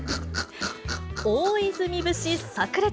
大泉節さく裂。